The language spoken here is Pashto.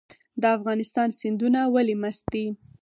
د افغانستان سیندونه ولې مست دي؟